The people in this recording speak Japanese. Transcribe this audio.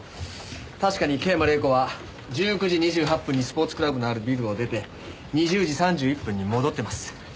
確かに桂馬麗子は１９時２８分にスポーツクラブのあるビルを出て２０時３１分に戻ってます。